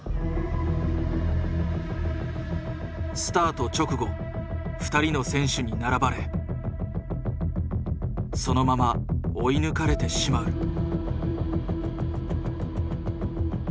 スタート直後２人の選手に並ばれそのまま追い抜かれてしまう。